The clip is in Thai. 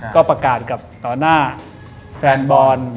ก็ประกาศกับต่อหน้าแฟนบอล